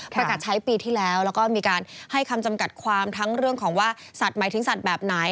ประกาศใช้ปีที่แล้วแล้วก็มีการให้คำจำกัดความทั้งเรื่องของว่าสัตว์หมายถึงสัตว์แบบไหน